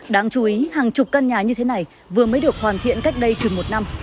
đáng chú ý hàng chục căn nhà như thế này vừa mới được hoàn thiện cách đây chừng một năm